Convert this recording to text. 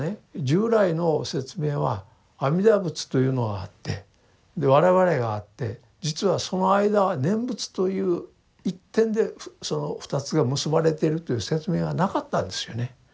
従来の説明は阿弥陀仏というのがあってで我々があって実はその間は念仏という一点でその２つが結ばれてるという説明がなかったんですよね。